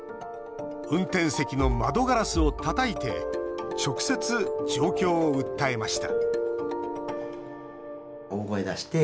運転席の窓ガラスをたたいて直接、状況を訴えました